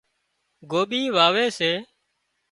گوٻي واوي سي